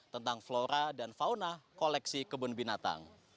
tentang flora dan fauna koleksi kebun binatang